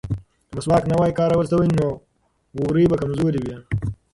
که مسواک نه وای کارول شوی نو وورۍ به کمزورې وې.